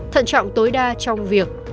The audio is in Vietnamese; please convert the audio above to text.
thận trọng tối đa trong việc